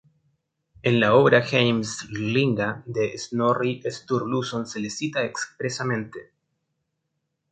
En la obra Heimskringla de Snorri Sturluson se le cita expresamente.